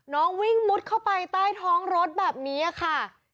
น้องวิ่งมุดเข้าไปใต้ท้องรถแบบนี้ค่ะ